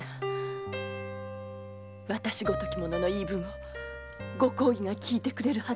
私ごとき者の言い分をご公儀が聞いてくれるはずもありません。